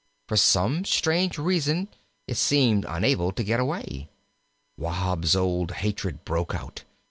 For some strange reason it seemed unable to get away. Wahb's old hatred broke out.